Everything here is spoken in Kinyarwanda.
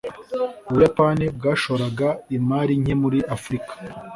u Buyapani bwashoraga imari nke muri Afurika